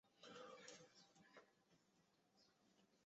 浅裂翠雀花为毛茛科翠雀属的植物。